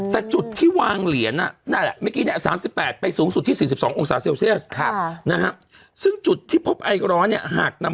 แต่จุดที่วางเหรียญน่ะนั่นแหละนี่๓๘๔๒องศาเซลเซียส